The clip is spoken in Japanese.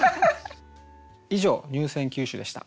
以上入選九首でした。